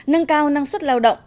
nâng cao năng suất lao động